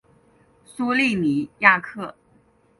苏利尼亚克。